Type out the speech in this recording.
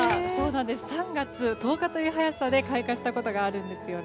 ３月１０日という早さで開花したことがあるんです。